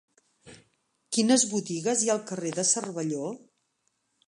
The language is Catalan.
Quines botigues hi ha al carrer de Cervelló?